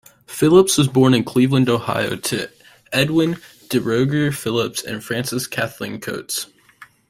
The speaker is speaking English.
Phillips was born in Cleveland, Ohio, to Edwin Deroger Phillips and Frances Kathleen Coates.